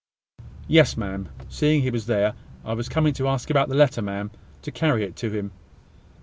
"Yes, ma'am; seeing he was there, I was coming to ask about the letter, ma'am, to carry it to him."